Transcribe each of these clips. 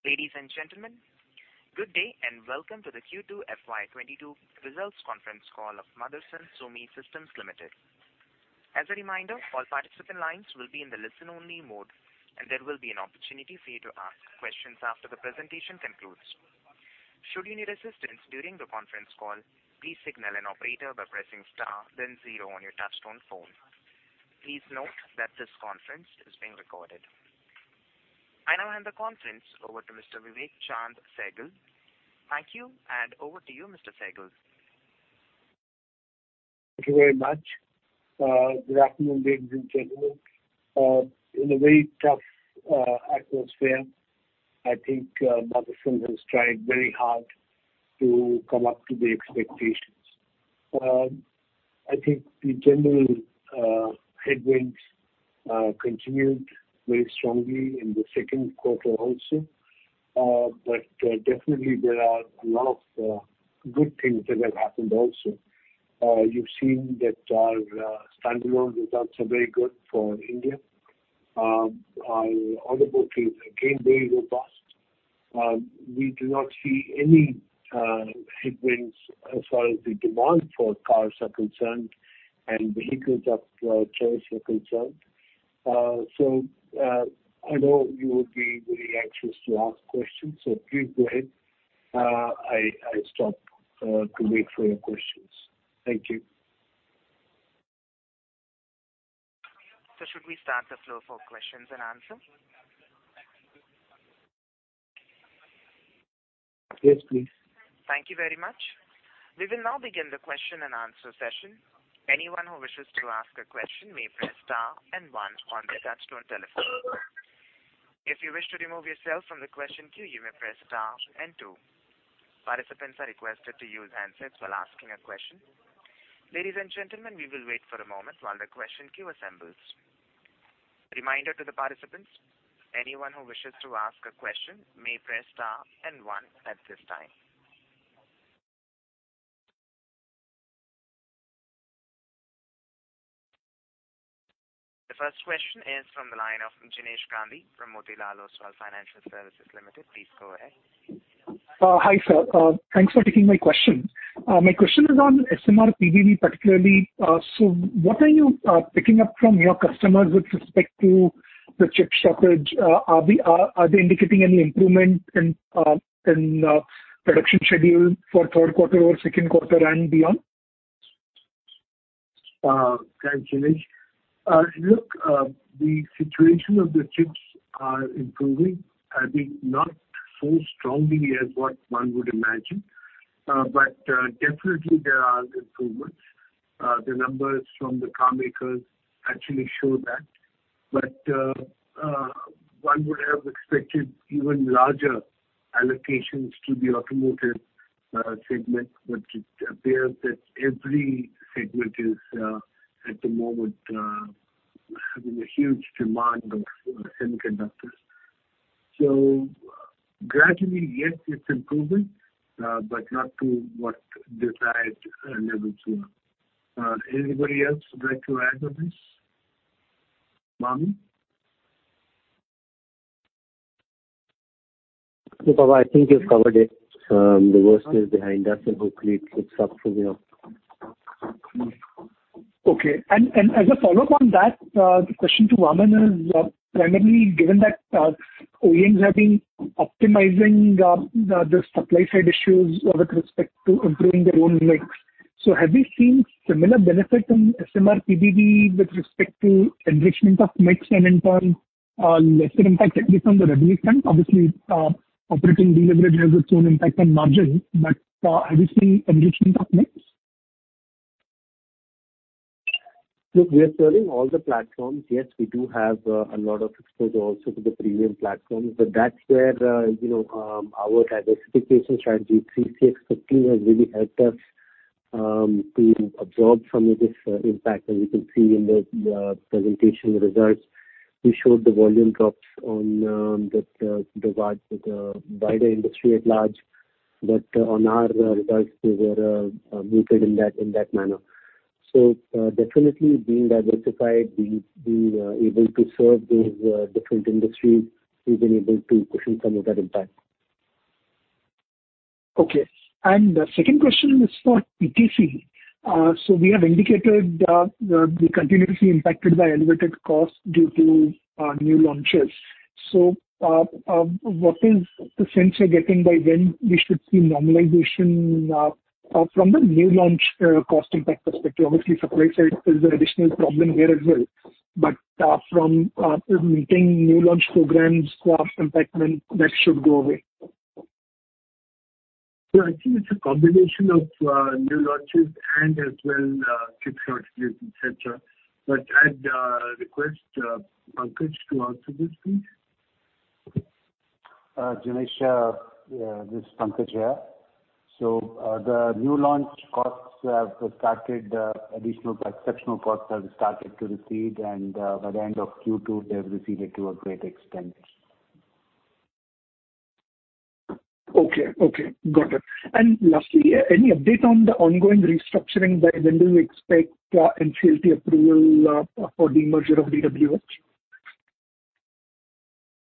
Ladies and gentlemen, good day, and welcome to the Q2 FY22 results conference call of Motherson Sumi Systems Limited. As a reminder, all participant lines will be in the listen only mode, and there will be an opportunity for you to ask questions after the presentation concludes. Should you need assistance during the conference call, please signal an operator by pressing star then zero on your touchtone phone. Please note that this conference is being recorded. I now hand the conference over to Mr. Vivek Chaand Sehgal. Thank you, and over to you, Mr. Sehgal. Thank you very much. Good afternoon, ladies and gentlemen. In a very tough atmosphere, I think, Motherson has tried very hard to come up to the expectations. I think the general headwinds continued very strongly in the second quarter also. Definitely there are a lot of good things that have happened also. You've seen that our standalone results are very good for India. Our order book is again very robust. We do not see any headwinds as far as the demand for cars are concerned and vehicles of choice are concerned. I know you will be very anxious to ask questions, so please go ahead. I stop to wait for your questions. Thank you. Should we open the floor for questions and answers? Yes, please. Thank you very much. We will now begin the question and answer session. Anyone who wishes to ask a question may press star and one on their touchtone telephone. If you wish to remove yourself from the question queue, you may press star and two. Participants are requested to use handsets while asking a question. Ladies and gentlemen, we will wait for a moment while the question queue assembles. Reminder to the participants, anyone who wishes to ask a question may press star and one at this time. The first question is from the line of Jinesh Gandhi from Motilal Oswal Financial Services Limited. Please go ahead. Hi, sir. Thanks for taking my question. My question is on SMRPBV particularly. So what are you picking up from your customers with respect to the chip shortage? Are they indicating any improvement in production schedule for third quarter or second quarter and beyond? Thanks, Jinesh. Look, the situation of the chips are improving. I think not so strongly as what one would imagine, but definitely there are improvements. The numbers from the car makers actually show that. One would have expected even larger allocations to the automotive segment, but it appears that every segment is at the moment having a huge demand of semiconductors. Gradually, yes, it's improving, but not to what desired level sooner. Anybody else would like to add on this? Vaaman? No, Papa, I think you've covered it. The worst is behind us, and hopefully it picks up from here. As a follow-up on that, the question to Vaman is, primarily, given that OEMs have been optimizing the supply side issues with respect to improving their own mix. Have you seen similar benefit on SMRPBV with respect to enrichment of mix and in turn, lesser impact at least on the revenue front? Obviously, operating leverage has its own impact on margin, but have you seen enrichment of mix? Look, we are serving all the platforms. Yes, we do have a lot of exposure also to the premium platforms. That's where you know our diversification strategy 3CX10 has really helped us to absorb some of this impact. As you can see in the presentation results, we showed the volume drops on that side-by-side with the wider industry at large. On our results, they were muted in that manner. Definitely being diversified, being able to serve these different industries, we've been able to cushion some of that impact. Okay. The second question is for PKC. We have indicated we're continuously impacted by elevated costs due to new launches. What is the sense you're getting by when we should see normalization from the new launch cost impact perspective? Obviously, supply side is an additional problem here as well. From mitigating new launch programs cost impact when that should go away? I think it's a combination of new launches and as well, chip shortage et cetera. I'd request Pankaj to answer this please. Jinesh, this is Pankaj here. The new launch costs have started, additional exceptional costs have started to recede, and by the end of Q2, they've receded to a great extent. Okay, got it. Lastly, any update on the ongoing restructuring? By when do you expect NCLT approval for the merger of DWH?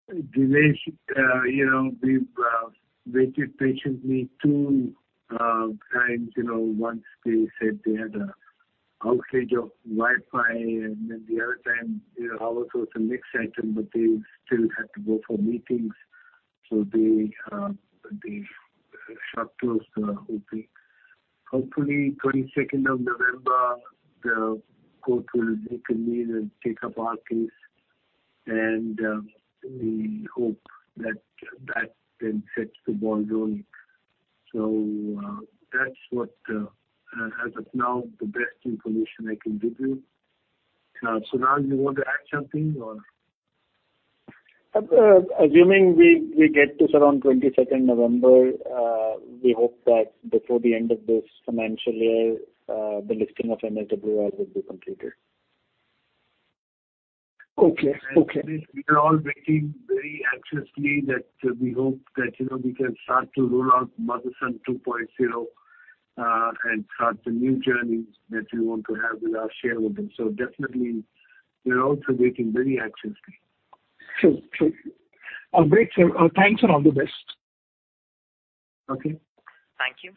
Jinesh, you know, we've waited patiently 2x, you know. Once they said they had an outage of Wi-Fi and then the other time, you know, ours was a mixed item, but they still had to go for meetings. They shut close, hoping. Hopefully, 22nd of November, the court will reconvene and take up our case. We hope that that then sets the ball rolling. That's what, as of now, the best information I can give you. Pankaj, do you want to add something or. Assuming we get to around 22nd November, we hope that before the end of this financial year, the listing of MSWIL will be completed. Okay. Okay. Jinesh, we are all waiting very anxiously that we hope that, you know, we can start to roll out Motherson 2.0, and start the new journey that we want to have with our shareholders. Definitely we're also waiting very anxiously. Sure. Great. Thanks and all the best. Okay. Thank you.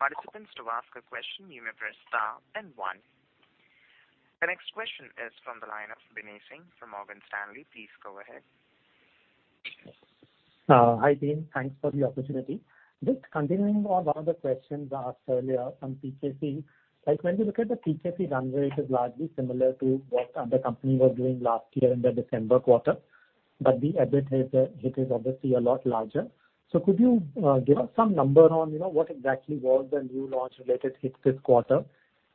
Participants, to ask a question you may press star then one. The next question is from the line of Binay Singh from Morgan Stanley. Please go ahead. Hi, team. Thanks for the opportunity. Just continuing on one of the questions asked earlier on PKC, like when you look at the PKC run rate, it is largely similar to what other company was doing last year in the December quarter, but the EBIT hit is obviously a lot larger. So could you give us some number on, you know, what exactly was the new launch related hit this quarter?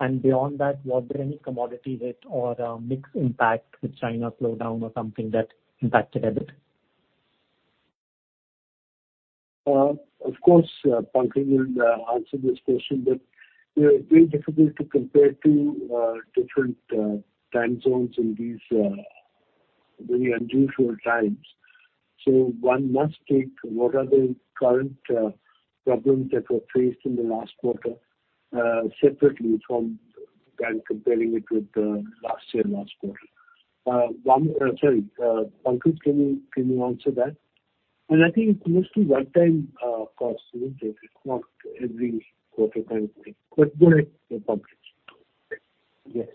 And beyond that, were there any commodity hit or mix impact with China slowdown or something that impacted EBIT? Of course, Pankaj will answer this question, but, you know, it's very difficult to compare two different time zones in these very unusual times. One must take what are the current problems that were faced in the last quarter separately from than comparing it with last year last quarter. Sorry, Pankaj, can you answer that? I think it's mostly one time cost, isn't it? It's not every quarter kind of thing. Go ahead, Pankaj. Yes,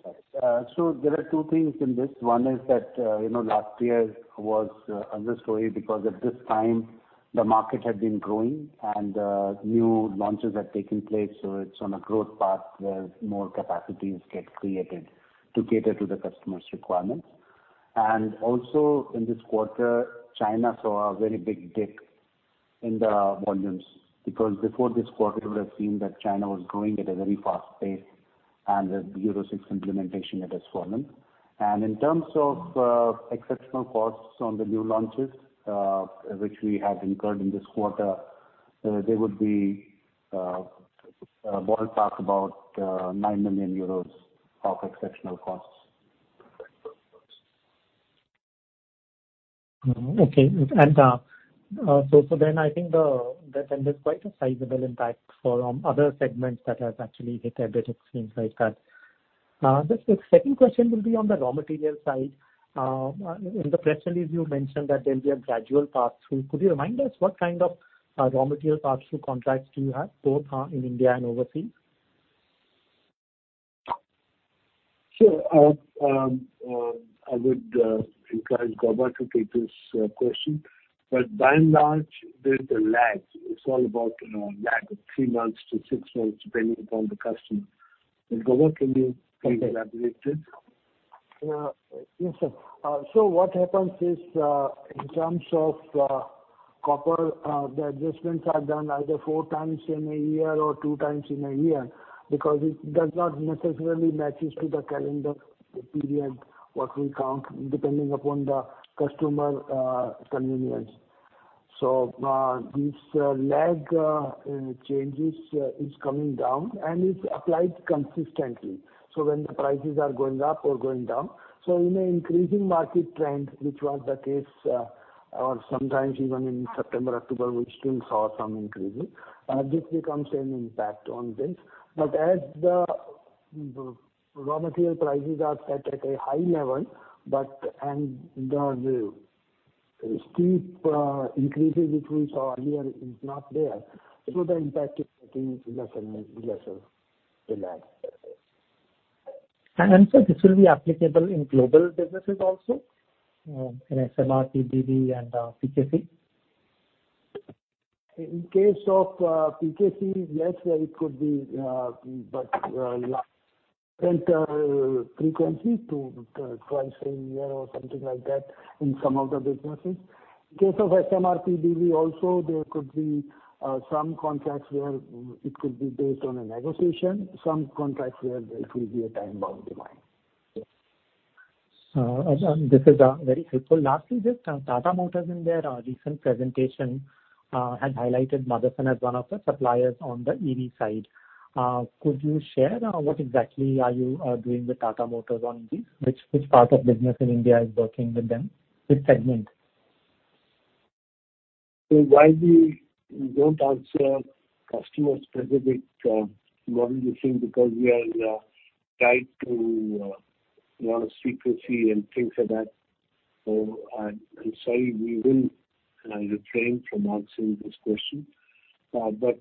sir. There are two things in this. One is that, you know, last year was a good story because at this time the market had been growing and new launches had taken place, so it's on a growth path where more capacities get created to cater to the customer's requirements. Also in this quarter, China saw a very big dip in the volumes because before this quarter we would have seen that China was growing at a very fast pace and the China VI implementation had just fallen. In terms of exceptional costs on the new launches, which we have incurred in this quarter, they would be ballpark about EUR 9 million of exceptional costs. I think there's quite a sizable impact for other segments that has actually hit a bit, it seems like that. Just a second question will be on the raw material side. In the press release you mentioned that there'll be a gradual pass-through. Could you remind us what kind of raw material pass-through contracts do you have, both in India and overseas? Sure. I would encourage G.N. Gauba to take this question. By and large, there's a lag. It's all about, you know, a lag of three months to six months, depending upon the customer. G.N. Gauba, can you elaborate it? Yes, sir. What happens is, in terms of copper, the adjustments are done either four times in a year or two times in a year because it does not necessarily matches to the calendar period what we count depending upon the customer convenience. This lag changes is coming down and it's applied consistently. When the prices are going up or going down. In an increasing market trend which was the case, or sometimes even in September, October we still saw some increasing, this becomes an impact on this. As the raw material prices are set at a high level but the steep increases which we saw earlier is not there so the impact is getting lesser and lesser to lag. This will be applicable in global businesses also, in SMR, PDV and PKC? In case of PKC, less frequent frequency to twice in a year or something like that in some of the businesses. In case of SMRPBV also there could be some contracts where it could be based on a negotiation, some contracts where it will be a time-bound delay. This is very helpful. Lastly, just, Tata Motors in their recent presentation has highlighted Motherson as one of the suppliers on the EV side. Could you share what exactly are you doing with Tata Motors on this? Which part of business in India is working with them? Which segment? Why we don't answer customer-specific modeling thing because we are tied to lot of secrecy and things like that. I'm sorry we will refrain from answering this question. But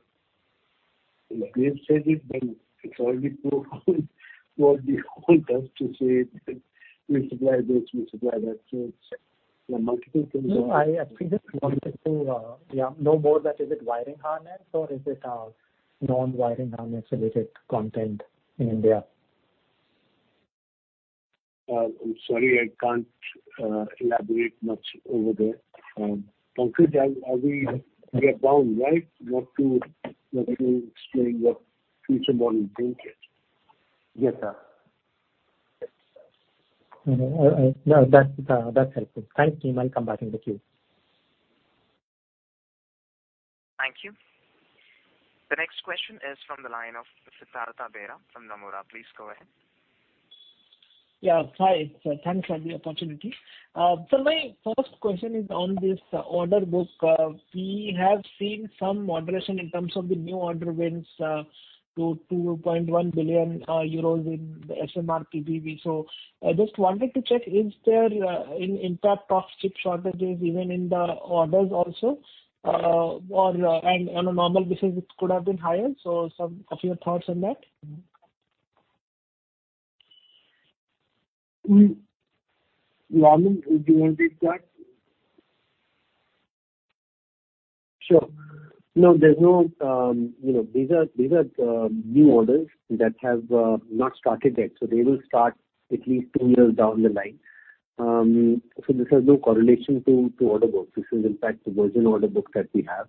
if we have said it, then it's already known to us to say we supply this, we supply that. There are multiple things. No, I actually just wanted to, yeah, know more that is it wiring harness or is it, non-wiring harness related content in India? I'm sorry, I can't elaborate much over there. Concretely, are we getting down, right? Not to, you know, really explain what future models bring it. Yes, sir. Yes, sir. No, no, that's helpful. Thanks. I'm back in the queue. Thank you. The next question is from the line of Siddhartha Bera from Nomura. Please go ahead. Yeah, hi. Thanks for the opportunity. My first question is on this order book. We have seen some moderation in terms of the new order wins to 2.1 billion euros in the SMRPBV. I just wanted to check, is there an impact of chip shortages even in the orders also? On a normal basis, it could have been higher. Some of your thoughts on that. Laksh, do you want to take that? Sure. No, there's no these are new orders that have not started yet. They will start at least two years down the line. This has no correlation to order books. This is in fact the virgin order book that we have.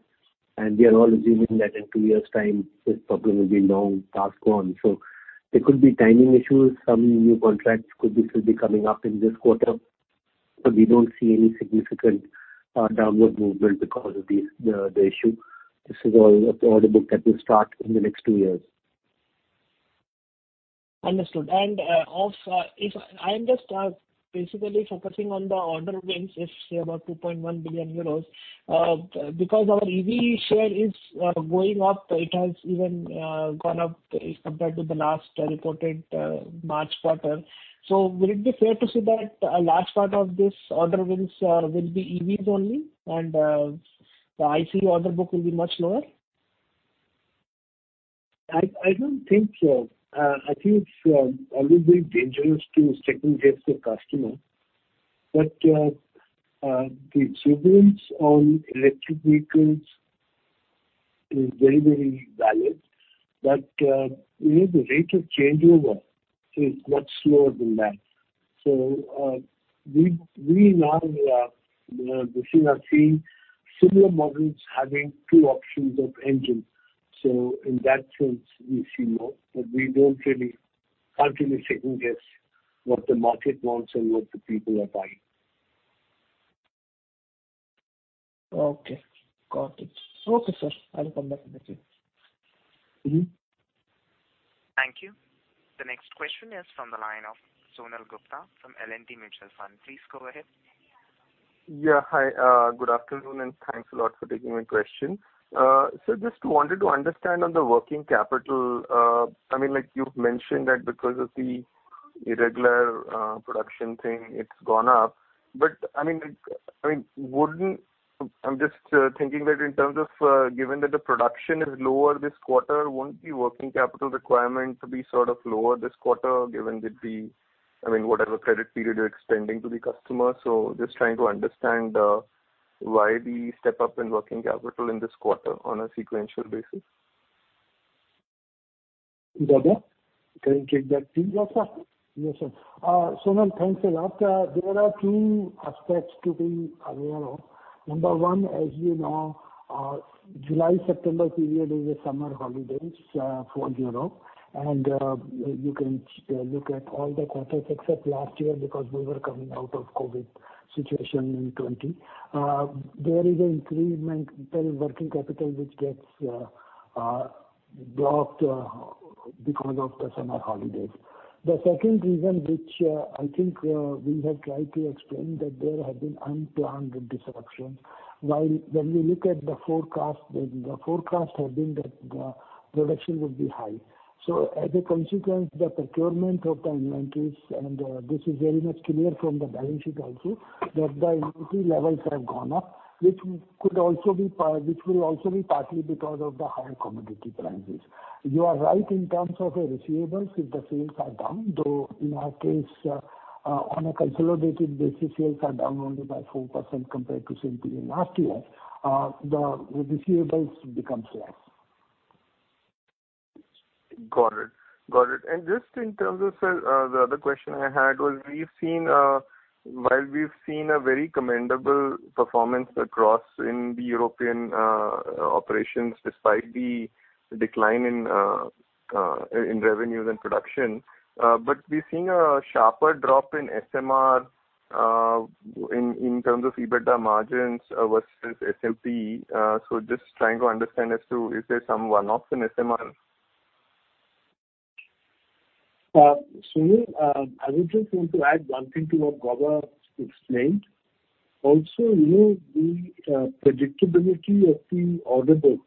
We are all assuming that in two years' time, this problem will be long past gone. There could be timing issues. Some new contracts could still be coming up in this quarter, but we don't see any significant downward movement because of the issue. This is all order book that will start in the next two years. Understood. Also if I understand basically focusing on the order wins is about 2.1 billion euros, because our EV share is going up. It has even gone up compared to the last reported March quarter. Would it be fair to say that a large part of this order wins will be EVs only and the ICE order book will be much lower? I don't think so. I think it's a little bit dangerous to second-guess the customer, but the issuance on electric vehicles is very, very valid. You know, the rate of changeover is much slower than that. We now, you know, this year are seeing similar models having two options of engine. In that sense, we see more, but we can't really second-guess what the market wants and what the people are buying. Okay. Got it. Okay, sir. I will come back in the queue. Thank you. The next question is from the line of Sonal Gupta from HSBC Mutual Fund. Please go ahead. Yeah. Hi. Good afternoon, and thanks a lot for taking my question. Just wanted to understand on the working capital, I mean, like you've mentioned that because of the irregular production thing, it's gone up. I mean, like, I'm just thinking that in terms of given that the production is lower this quarter, won't the working capital requirement be sort of lower this quarter given that the, I mean, whatever credit period you're extending to the customer. Just trying to understand why the step up in working capital in this quarter on a sequential basis. G.N. Gauba, can you take that please? Yes, sir. Sonal, thanks a lot. There are two aspects to be aware of. One, as you know, July-September period is a summer holidays for Europe. You can look at all the quarters except last year because we were coming out of COVID situation in 2020. There is an incremental working capital which gets blocked because of the summer holidays. The second reason which I think we have tried to explain that there have been unplanned disruptions. While when we look at the forecast, the forecast had been that the production would be high. As a consequence, the procurement of the inventories, and this is very much clear from the balance sheet also, that the inventory levels have gone up, which will also be partly because of the higher commodity prices. You are right in terms of the receivables if the sales are down, though in our case, on a consolidated basis, sales are down only by 4% compared to same period last year. The receivables becomes less. Got it. Just in terms of, sir, the other question I had was we've seen, while we've seen a very commendable performance across the European operations despite the decline in revenues and production. We've seen a sharper drop in SMR in terms of EBITDA margins versus SMP. Just trying to understand as to is there some one-off in SMR? Sonal, I would just want to add one thing to what Gaurav explained. Also, you know, the predictability of the order book,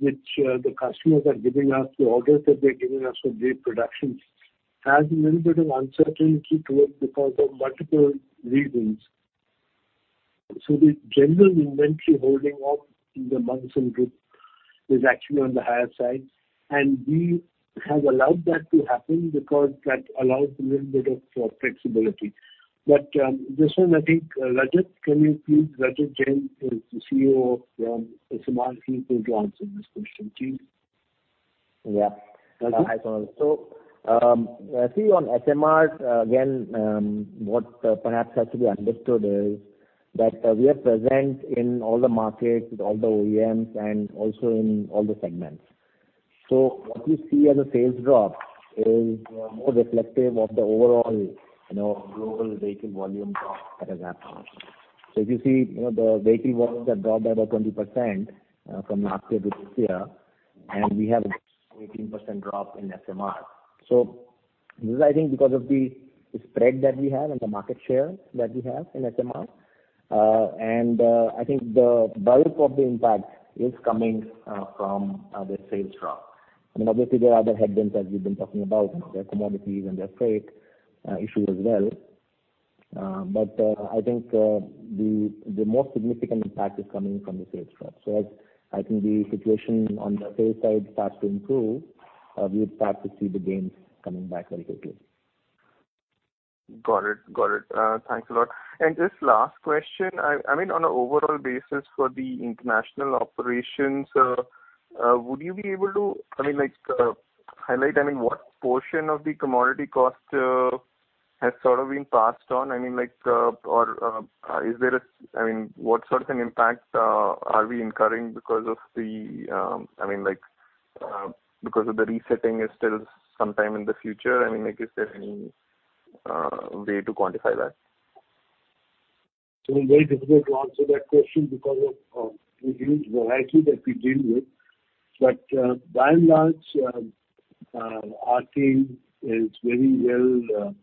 which the customers are giving us, the orders that they're giving us for their productions, has a little bit of uncertainty to it because of multiple reasons. The general inventory holding of the Motherson Group is actually on the higher side, and we have allowed that to happen because that allows a little bit of flexibility. This one I think, Rajat, can you please. Rajat Jain is the CEO of SMR. He will be able to answer this question. Chief? Yeah. Rajat? Hi, Sonal. I see on SMR, again, what perhaps has to be understood is that we are present in all the markets, all the OEMs, and also in all the segments. What we see as a sales drop is more reflective of the overall, you know, global vehicle volume drop that has happened. If you see, you know, the vehicle volumes have dropped by about 20% from last year to this year, and we have an 18% drop in SMR. This is, I think, because of the spread that we have and the market share that we have in SMR. I think the bulk of the impact is coming from the sales drop. I mean, obviously, there are other headwinds, as you've been talking about, you know, there are commodities and there are freight issue as well. But, I think, the more significant impact is coming from the sales drop. As I think the situation on the sales side starts to improve, we would start to see the gains coming back very quickly. Got it. Thanks a lot. Just last question, I mean, on an overall basis for the international operations, would you be able to, I mean, like, highlight, I mean, what portion of the commodity cost has sort of been passed on? I mean, like, or, I mean, what sort of an impact are we incurring because of the resetting is still sometime in the future? I mean, like, is there any way to quantify that? It's very difficult to answer that question because of the huge variety that we deal with. By and large, our team is very well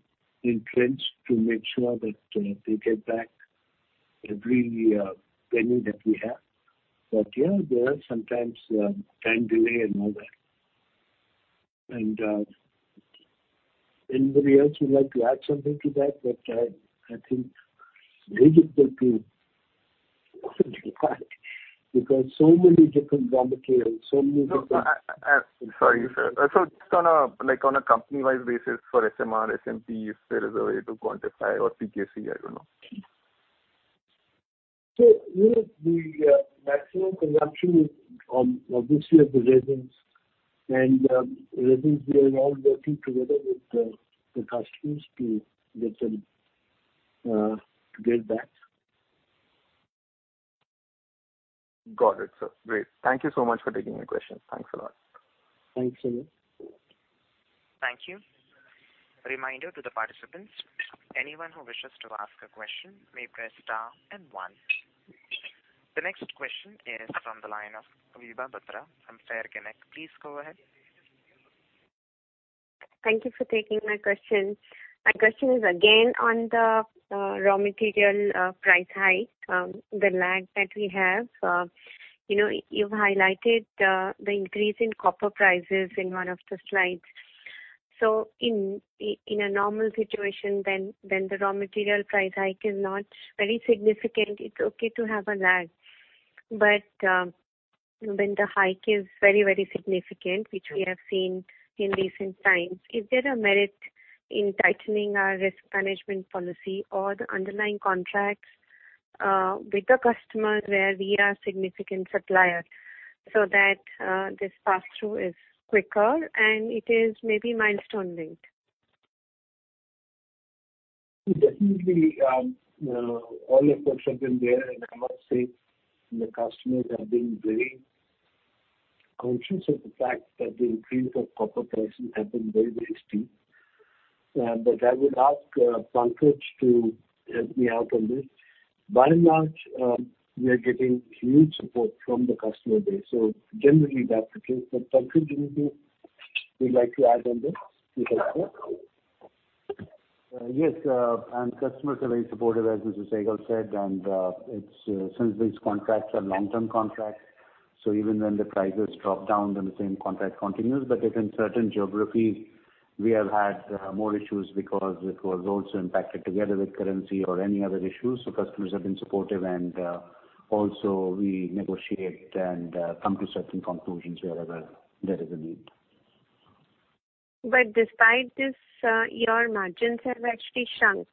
entrenched to make sure that they get back every penny that we have. Yeah, there are sometimes time delay and all that. Anybody else would like to add something to that? I think Rajat will be qualified because so many different raw materials, so many different- No, sorry, sir. Just on a, like on a company-wide basis for SMR, SMP, if there is a way to quantify, or PKC, I don't know. You know, the maximum consumption is obviously of the resins. Resins, we are all working together with the customers to get that. Got it, sir. Great. Thank you so much for taking my questions. Thanks a lot. Thanks, Sonal. Thank you. Reminder to the participants, anyone who wishes to ask a question may press star and one. The next question is from the line of Vibha Batra from FairConnect. Please go ahead. Thank you for taking my questions. My question is again on the raw material price hike, the lag that we have. You know, you've highlighted the increase in copper prices in one of the slides. In a normal situation, the raw material price hike is not very significant. It's okay to have a lag. When the hike is very, very significant, which we have seen in recent times, is there a merit in tightening our risk management policy or the underlying contracts with the customers where we are significant supplier so that this passthrough is quicker and it is maybe milestone linked? Definitely, all efforts have been there, and I must say the customers have been very conscious of the fact that the increase of copper prices have been very, very steep. But I would ask, Pankaj to help me out on this. By and large, we are getting huge support from the customer base. So generally that's the case. But Pankaj, do you'd like to add on this? Please go ahead. Yes. Customers are very supportive, as Mr. Sehgal said. It's since these contracts are long-term contracts, so even when the prices drop down, then the same contract continues. If in certain geographies we have had more issues because it was also impacted together with currency or any other issues, customers have been supportive and also we negotiate and come to certain conclusions wherever there is a need. Despite this, your margins have actually shrunk,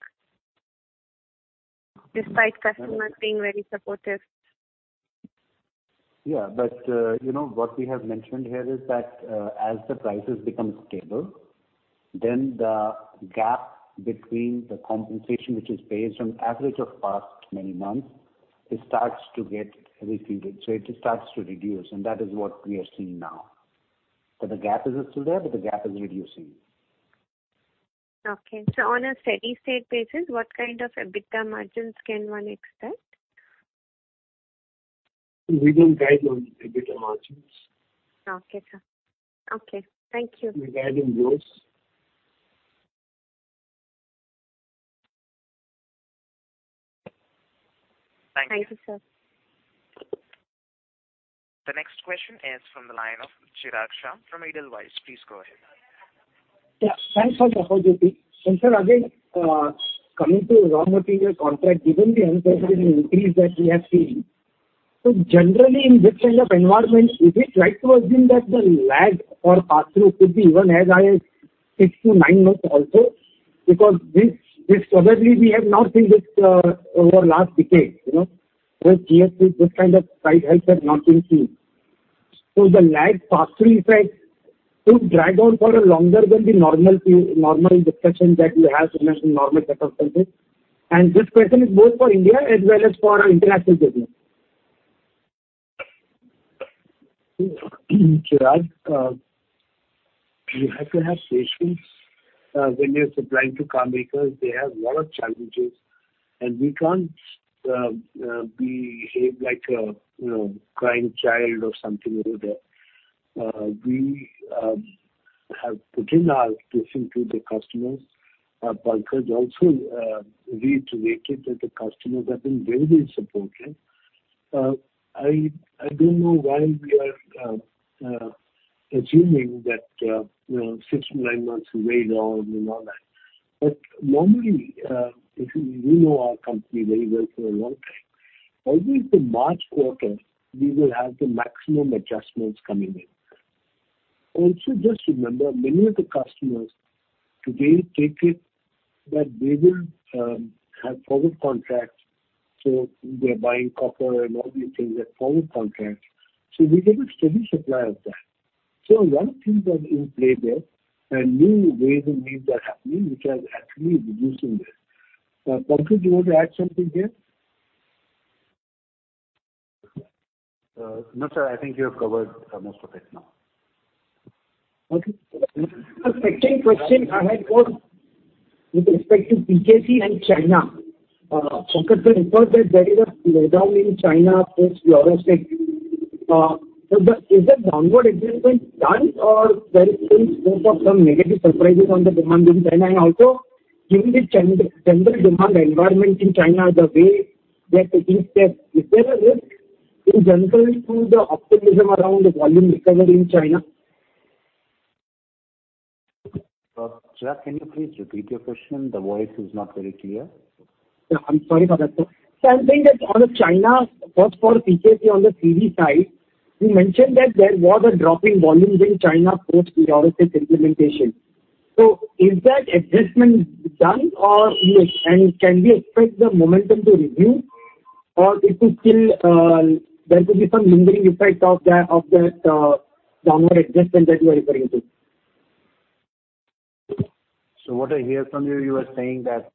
despite customers being very supportive. Yeah, you know, what we have mentioned here is that, as the prices become stable, then the gap between the compensation, which is based on average of past many months, it starts to get refilled. It starts to reduce, and that is what we are seeing now. The gap is still there, but the gap is reducing. Okay. On a steady state basis, what kind of EBITDA margins can one expect? We will guide on the EBITDA margins. Okay, sir. Okay. Thank you. We guide in those. Thank you, sir. The next question is from the line of Chirag Shah from Edelweiss. Please go ahead. Yeah, thanks for the opportunity. Sir, again, coming to raw material contract, given the unprecedented increase that we have seen, so generally in this kind of environment, is it right to assume that the lag or pass-through could be even as high as six-nine months also? Because this probably we have not seen this over last decade, you know. With GST, this kind of price hikes have not been seen. The lag pass-through effect could drag on for longer than the normal three, normal discussions that we have seen as in normal circumstances. This question is both for India as well as for our international business. Chirag, you have to have patience when you're supplying to car makers. They have a lot of challenges, and we can't behave like a, you know, crying child or something over there. We have put in our case into the customers. Pankaj also reiterated that the customers have been very, very supportive. I don't know why we are assuming that, you know, six to nine months wait on and all that. Normally, if you know our company very well for a long time. Always the March quarter, we will have the maximum adjustments coming in. Also, just remember, many of the customers today take it that they will have forward contracts, so they're buying copper and all these things at forward contracts. We get a steady supply of that. A lot of things are in play there and new ways and means are happening which are actually reducing this. Pankaj, do you want to add something here? No, sir. I think you have covered most of it now. Okay. Second question I had with respect to PKC and China. Pankaj, you referred that there is a slowdown in China post Euro 6. So is the downward adjustment done or there is still scope of some negative surprises on the demand in China? And also given the general demand environment in China, the way that it is set, is there a risk in general to the optimism around the volume recovery in China? Chirag, can you please repeat your question? The voice is not very clear. Yeah, I'm sorry for that, sir. I'm saying that on the China, first for PKC on the CV side, you mentioned that there was a drop in volumes in China post Euro 6 implementation. Is that adjustment done or and can we expect the momentum to resume, or is it still there could be some lingering effect of that downward adjustment that you are referring to? What I hear from you are saying that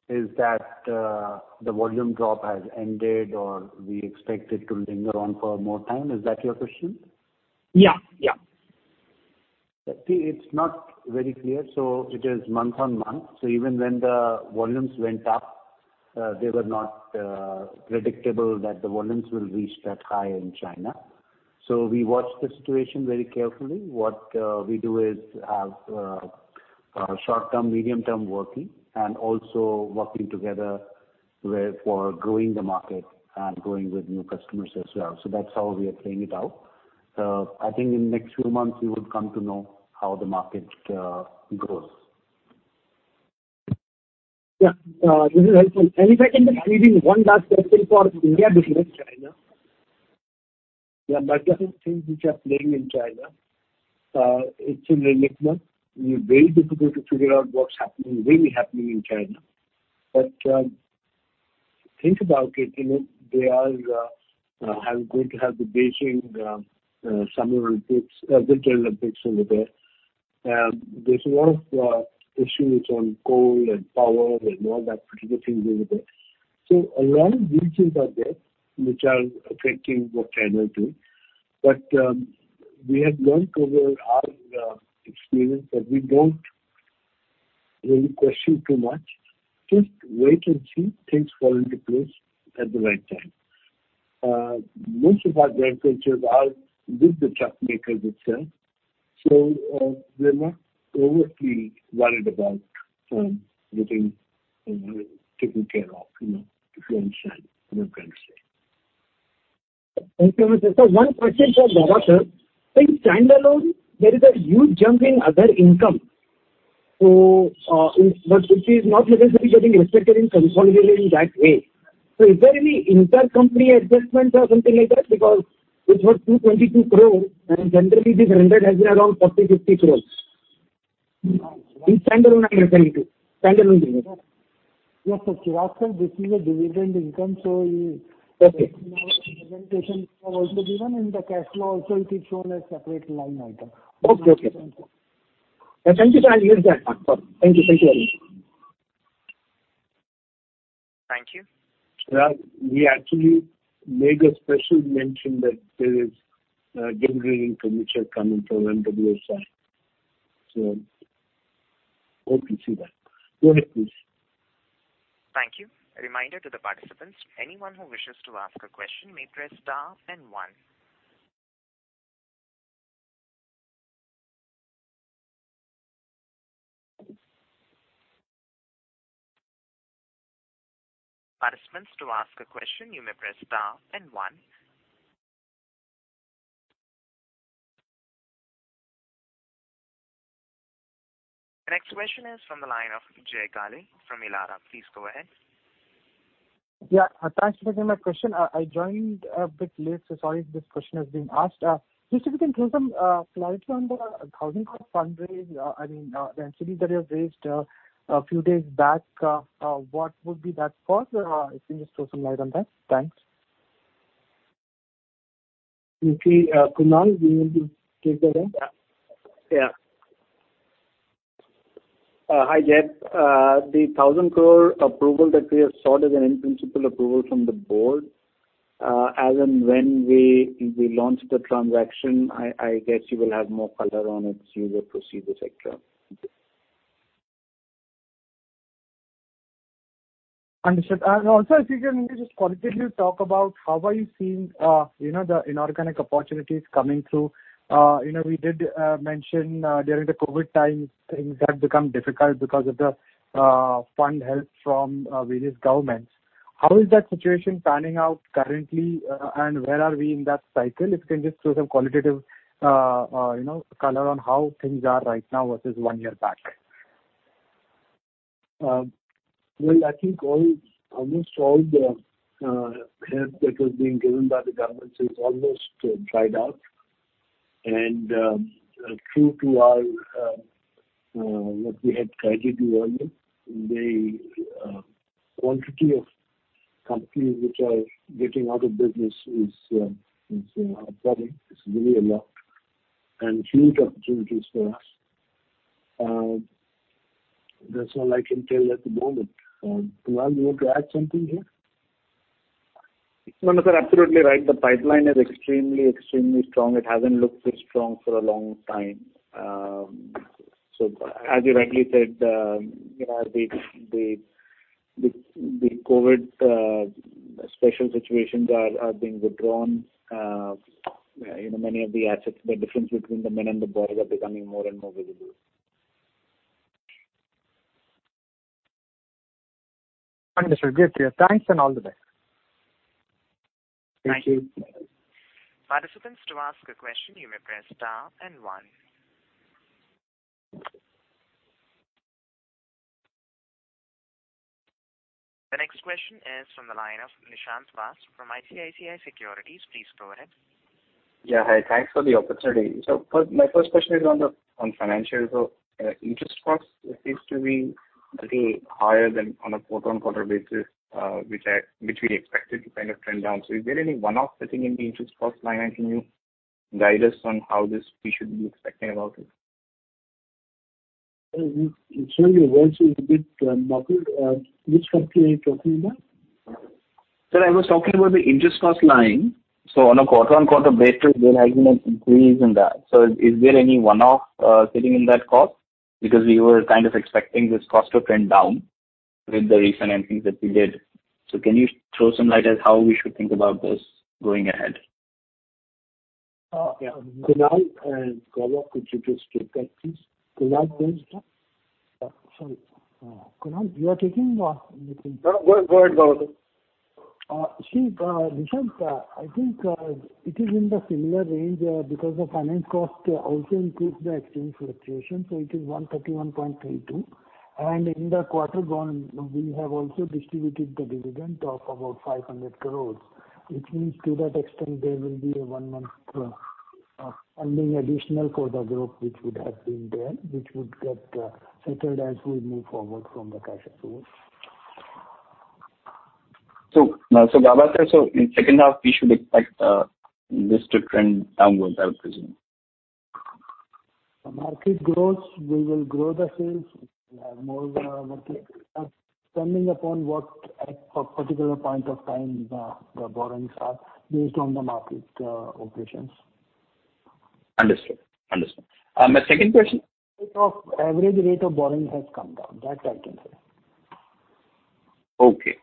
the volume drop has ended or we expect it to linger on for more time. Is that your question? Yeah. Yeah. See, it's not very clear, so it is month-on-month. Even when the volumes went up, they were not predictable that the volumes will reach that high in China. We watch the situation very carefully. What we do is have short-term, medium-term working and also working together for growing the market and growing with new customers as well. That's how we are playing it out. I think in next few months you would come to know how the market grows. Yeah. This is helpful. If I can just squeeze in one last question for India business, China. Multiple things which are playing in China. It's an enigma. It's very difficult to figure out what's happening, really happening in China. Think about it, you know, they are going to have the Beijing Summer Olympics, Winter Olympics over there. There's a lot of issues on coal and power and all that particular things over there. A lot of these things are there which are affecting what China do. We have learned over our experience that we don't really question too much. Just wait and see things fall into place at the right time. Most of our dealerships are with the truck makers itself, so we're not overly worried about getting taken care of, you know, if you understand what I'm trying to say. Thank you very much, sir. One question for G.N. Gauba, sir. In standalone, there is a huge jump in other income. But which is not necessarily getting reflected in consolidated in that way. Is there any intercompany adjustments or something like that? Because it was 222 crore and generally the other income has been around 40-50 crores. I'm referring to standalone numbers. Yes, sir. Chirag sir, this is a dividend income, so you- Okay. Also given in the cash flow. Also, it is shown as separate line item. Okay. Thank you, sir. I'll use that. Thank you. Thank you very much. Thank you. Chirag, we actually make a special mention that there is dividend income which are coming from MSWIL. Hope you see that. Go ahead, please. Thank you. A reminder to the participants, anyone who wishes to ask a question may press star and one. The next question is from the line of Jay Kale from Elara. Please go ahead. Yeah. Thanks for taking my question. I joined a bit late, so sorry if this question has been asked. Just if you can throw some clarity on the INR 1,000 crore fundraise, I mean, the equity that you have raised a few days back. What would be that for? If you can just throw some light on that. Thanks. If we, Gauba, do you want to take that one? Hi, Jay. The 1,000 crore approval that we have sought is an in principle approval from the board. As and when we launch the transaction, I guess you will have more color on it through the procedure sector. Understood. Also if you can just qualitatively talk about how are you seeing, you know, the inorganic opportunities coming through. You know, we did mention during the COVID time, things have become difficult because of the funding from various governments. How is that situation panning out currently, and where are we in that cycle? If you can just throw some qualitative, you know, color on how things are right now versus one year back. Well, I think all, almost all the help that was being given by the governments is almost dried out. True to what we had guided you earlier, the quantity of companies which are getting out of business is upping. It's really a lot. Huge opportunities for us. That's all I can tell you at the moment. Gauba, you want to add something here? No, no, sir, absolutely right. The pipeline is extremely strong. It hasn't looked this strong for a long time. As you rightly said, you know, the COVID special situations are being withdrawn. You know, many of the assets, the difference between the men and the boys are becoming more and more visible. Understood. Yes, yes. Thanks and all the best. Thank you. Participants, to ask a question, you may press star and one. The next question is from the line of Nishant Vass from ICICI Securities. Please go ahead. Yeah. Hi. Thanks for the opportunity. First, my first question is on financials. Interest costs seems to be a little higher than on a quarter-on-quarter basis, which we expected to kind of trend down. Is there any one-off sitting in the interest cost line? And can you guide us on how we should be expecting it? Sorry, your voice is a bit muffled. Which company are you talking about? Sir, I was talking about the interest cost line. On a quarter-on-quarter basis, there has been an increase in that. Is there any one-off sitting in that cost? Because we were kind of expecting this cost to trend down with the refinancing that we did. Can you throw some light on how we should think about this going ahead? Kunal and Gauba, could you just take that, please? Kunal then Gaurav. Sorry, Kunal, you are taking or anything? No, go ahead. Go ahead, Gauba. See, Nishant Vass, I think it is in the similar range because the finance cost also includes the exchange fluctuation, so it is 131.32 crore. In the quarter gone, we have also distributed the dividend of about 500 crore, which means to that extent there will be a one-month funding additional for the group which would have been there, which would get settled as we move forward from the cash flows. Gauba sir, in second half we should expect this to trend downward, I presume. The market grows, we will grow the sales. We will have more market. Depending upon what at a particular point of time the borrowings are based on the market, operations. Understood. My second question. Average rate of borrowing has come down. That I can say. Okay.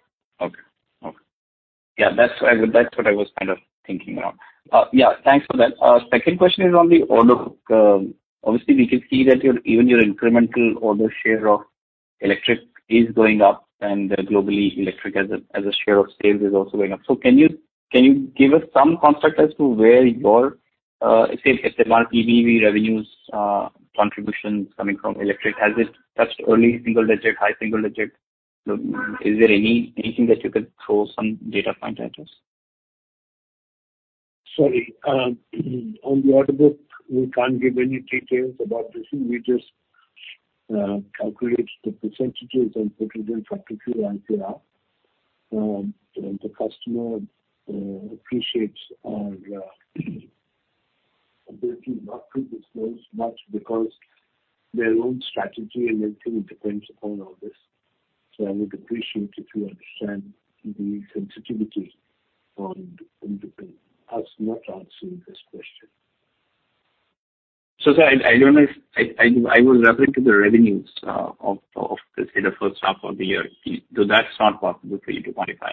Yeah, that's what I was kind of thinking around. Yeah, thanks for that. Second question is on the order book. Obviously we can see that your even your incremental order share of electric is going up and globally electric as a share of sales is also going up. So can you give us some construct as to where your, let's say, our EV revenues contribution coming from electric? Has it touched early single digit, high single digit? Is there anything that you could throw some data point at us? Sorry. On the order book, we can't give any details about this. We just calculate the percentages and put it in for particular LTI. The customer appreciates our ability not to disclose much because their own strategy and everything depends upon all this. I would appreciate if you understand the sensitivity on us not answering this question. Sir, I don't know if I was referring to the revenues of, say, the first half of the year. That's not possible for you to quantify?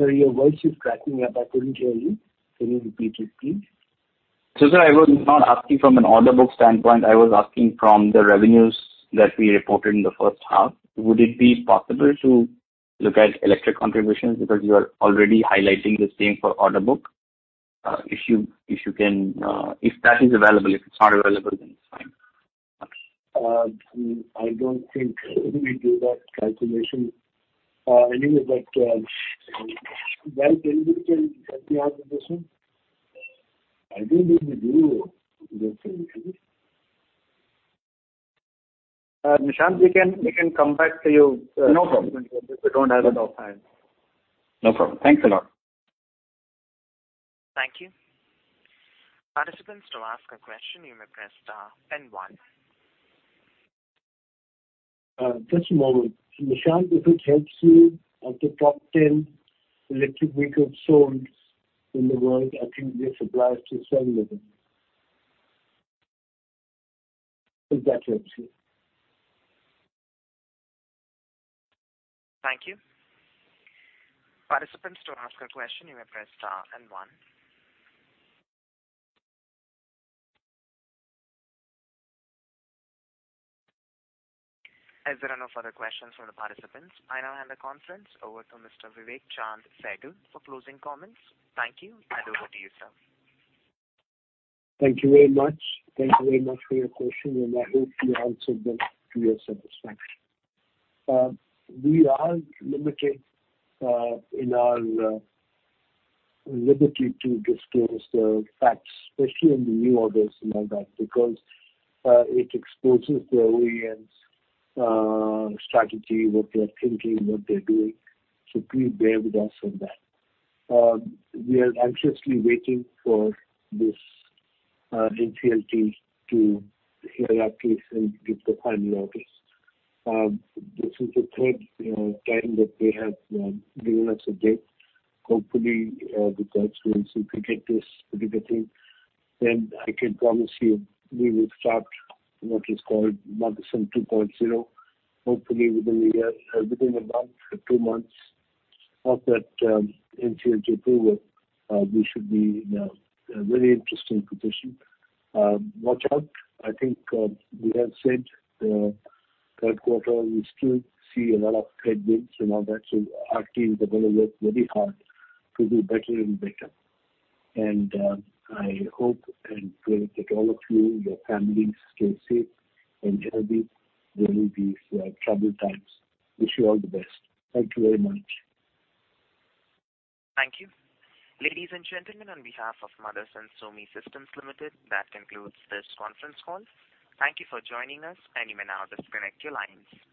Sir, your voice is cracking up. I couldn't hear you. Can you repeat it, please? Sir, I was not asking from an order book standpoint. I was asking from the revenues that we reported in the first half. Would it be possible to look at electric contributions because you are already highlighting the same for order book? If you can, if that is available. If it's not available, then it's fine. I don't think we do that calculation. Anyway, Val, can you answer this one? I don't think we do that calculation. Nishant, we can come back to you. No problem. We don't have a lot of time. No problem. Thanks a lot. Thank you. Participants, to ask a question, you may press star then one. Just a moment. Nishant, if it helps you, of the top 10 electric vehicles sold in the world, I think we are suppliers to seven of them. If that helps you. Thank you. Participants, to ask a question, you may press star and one. As there are no further questions from the participants, I now hand the conference over to Mr. Vivek Chaand Sehgal for closing comments. Thank you, and over to you, sir. Thank you very much. Thank you very much for your question, and I hope we answered them to your satisfaction. We are limited in our liberty to disclose the facts, especially in the new orders and all that because it exposes the OEMs' strategy, what they're thinking, what they're doing. Please bear with us on that. We are anxiously waiting for this NCLT to hear our case and give the final orders. This is the third time that they have given us a date. Hopefully, the courts will see, if we get this particular thing, then I can promise you we will start what is called Motherson 2.0. Hopefully within a year, within a month or two months of that NCLT approval, we should be in a very interesting position. Watch out. I think we have said the third quarter we still see a lot of headwinds and all that. Our team is gonna work very hard to do better and better. I hope and pray that all of you and your families stay safe and healthy during these troubled times. Wish you all the best. Thank you very much. Thank you. Ladies and gentlemen, on behalf of Motherson Sumi Systems Limited, that concludes this conference call. Thank you for joining us, and you may now disconnect your lines.